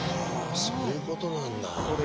そういうことなんだ。